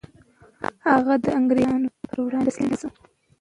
هغه د انګریزانو په وړاندې تسلیم نه شو.